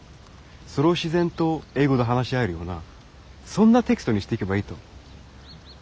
それを自然と英語で話し合えるようなそんなテキストにしていけばいいと。